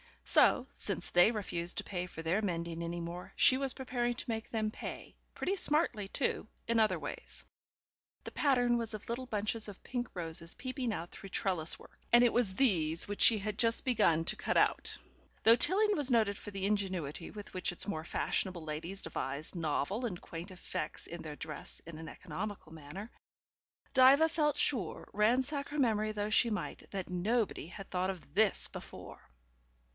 So, since they refused to pay for their mending any more she was preparing to make them pay, pretty smartly too, in other ways. The pattern was of little bunches of pink roses peeping out through trellis work, and it was these which she had just begun to cut out. Though Tilling was noted for the ingenuity with which its more fashionable ladies devised novel and quaint effects in the dress in an economical manner, Diva felt sure, ransack her memory though she might, that nobody had thought of THIS before.